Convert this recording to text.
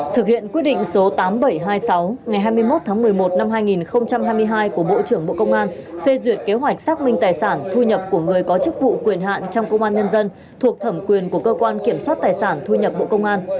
thực hiện quyết định số tám nghìn bảy trăm hai mươi sáu ngày hai mươi một tháng một mươi một năm hai nghìn hai mươi hai của bộ trưởng bộ công an phê duyệt kế hoạch xác minh tài sản thu nhập của người có chức vụ quyền hạn trong công an nhân dân thuộc thẩm quyền của cơ quan kiểm soát tài sản thu nhập bộ công an